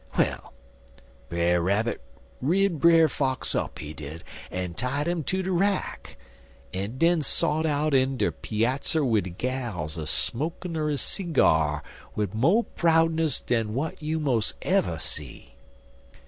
Well, Brer Rabbit rid Brer Fox up, he did, en tied 'im to de rack, en den sot out in de peazzer wid de gals a smokin' er his seegyar wid mo' proudness dan w'at you mos' ever see.